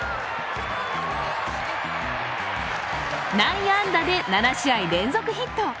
内野安打で７試合連続ヒット。